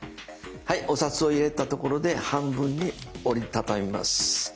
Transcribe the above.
はいお札を入れたところで半分に折り畳みます。